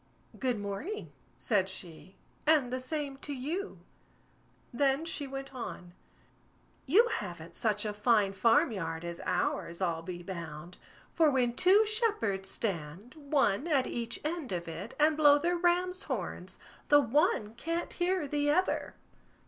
"Good morning", said she, "and the same to you." Then she went on: "You haven't such a fine farm yard as ours, I'll be bound; for when two shepherds stand, one at each end of it, and blow their ram's horns, the one can't hear the other."